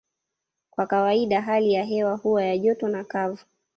Kwa kawaida hali ya hewa huwa ya joto na kavu